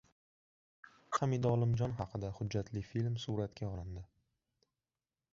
Hamid Olimjon haqida hujjatli film suratga olindi